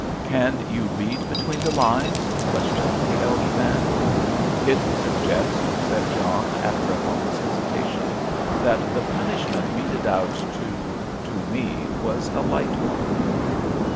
"Can you read between the lines?" questioned the elder man. "It suggests," said John, after a moment's hesitation, "that the punishment meted out to—to me, was a light one."